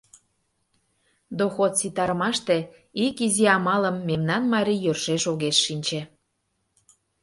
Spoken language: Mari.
Доход ситарымаште ик изи амалым мемнан марий йӧршеш огеш шинче.